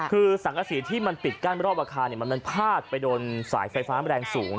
คือสังกษีที่มันปิดกั้นรอบอาคารมันพาดไปโดนสายไฟฟ้าแรงสูง